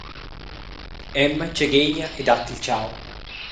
Emma tschaghegna e dat il tgau.